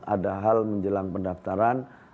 ada hal menjelang pendaftaran